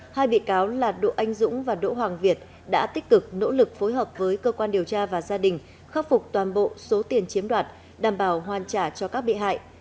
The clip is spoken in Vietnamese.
hai bị cáo là độ anh dũng và đỗ hoàng việt đã tích cực nỗ lực phối hợp với cơ quan điều tra và gia đình khắc phục toàn bộ số tiền chiếm đoạt đảm bảo hoàn trả cho các bị hại